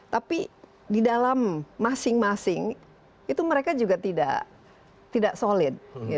tapi di dalam masing masing itu mereka juga tidak solid